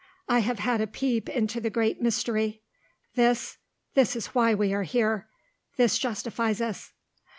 I have had a peep into the great mystery. This this is why we are here this justifies us."